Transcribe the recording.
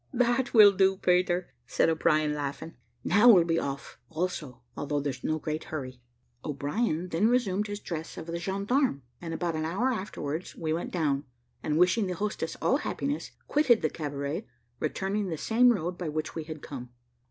"That will do, Peter," said O'Brien, laughing; "now we'll be off also, although there's no great hurry." O'Brien then resumed his dress of a gendarme; and about an hour afterwards we went down, and wishing the hostess all happiness, quitted the cabaret, returning the same road by which we had come.